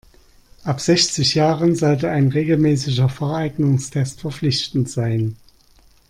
Ab sechzig Jahren sollte ein regelmäßiger Fahreignungstest verpflichtend sein.